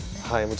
はい。